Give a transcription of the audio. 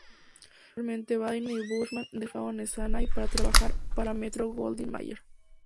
Posteriormente Bayne y Bushman dejaron Essanay para trabajar para Metro-Goldwyn-Mayer.